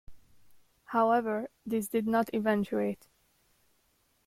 However, this did not eventuate.